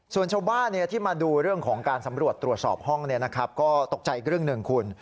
ส่วนชาวบ้านที่มาดูเรื่องของการสำรวจตรวจสอบห้องก็ตกใจอีกเรื่องหนึ่งคุณ